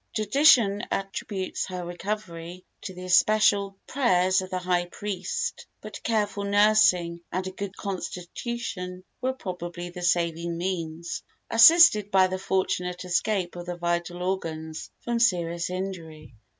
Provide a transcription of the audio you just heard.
Tradition attributes her recovery to the especial prayers of the high priest, but careful nursing and a good constitution were probably the saving means, assisted by the fortunate escape of the vital organs from serious injury.